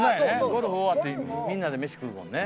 ゴルフ終わってみんなで飯食うもんね。